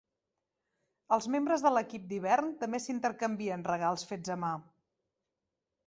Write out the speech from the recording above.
Els membres de l'equip d'hivern també s'intercanvien regals fets a ma.